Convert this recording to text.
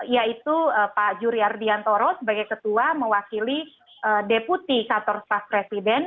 yaitu pak juryardian toro sebagai ketua mewakili deputi empat belas presiden